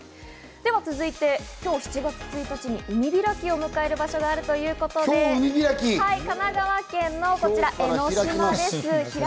続いて今日７月１日に海開きを迎える場所があるということで、神奈川県のこちら、江の島です。